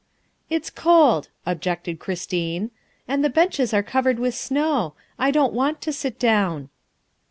''" It's cold," objected Christine, " and the benches are covered with snow. I don 't want to sit down.